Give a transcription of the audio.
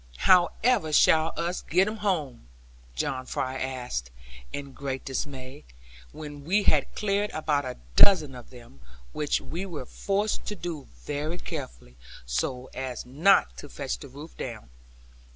'However shall us get 'em home?' John Fry asked in great dismay, when we had cleared about a dozen of them; which we were forced to do very carefully, so as not to fetch the roof down.